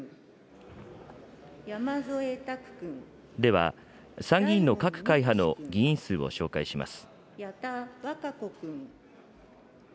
では、参議院の各会派の議員数を紹介します。